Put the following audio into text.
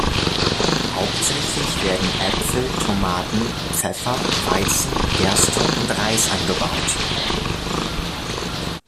Hauptsächlich werden Äpfel, Tomaten, Pfeffer, Weizen, Gerste und Reis angebaut.